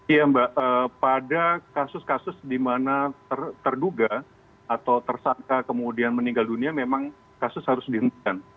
iya mbak pada kasus kasus di mana terduga atau tersangka kemudian meninggal dunia memang kasus harus dihentikan